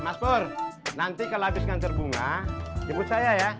mas pur nanti kalau habis kanser bunga nyebut saya ya